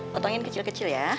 potongin kecil kecil ya